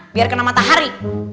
biar kena matahari